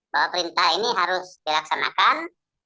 bahwa perintah ini harus dilaksanakan